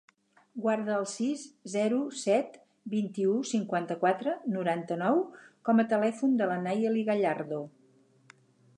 Guarda el sis, zero, set, vint-i-u, cinquanta-quatre, noranta-nou com a telèfon de la Nayeli Gallardo.